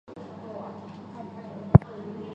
父亲陈彬是塾师。